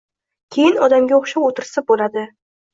Keyin odamga o’xshab o’tirsa bo’ladi